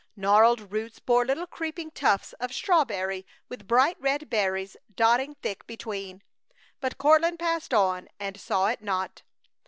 Gnarled roots bore little creeping tufts of squawberry with bright, red berries dotting thick between. But Courtland passed on and saw it not.